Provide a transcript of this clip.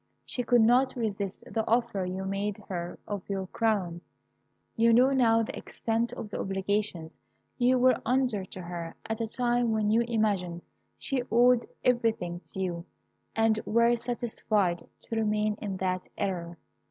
She could not resist the offer you made her of your crown. You now know the extent of the obligations you were under to her at a time when you imagined she owed everything to you, and were satisfied to remain in that error.